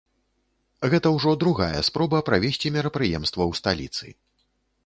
Гэта ўжо другая спроба правесці мерапрыемства ў сталіцы.